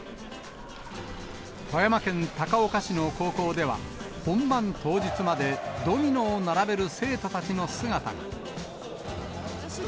富山県高岡市の高校では、本番当日までドミノを並べる生徒たちの姿が。